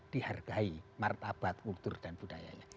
dihargai martabat kultur dan budayanya